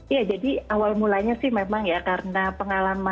ya jadi awal mulanya sih memang ya karena pengalaman